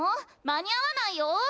間に合わないよ。